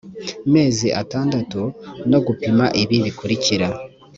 mezi atandatu no gupima ibi bikurikira